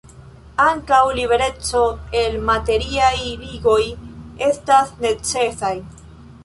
Ankaŭ libereco el materiaj ligoj estas necesaj.